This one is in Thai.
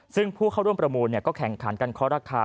ซึ่งผู้เข้าร่วมประมูลก็แข่งขันกันเคาะราคา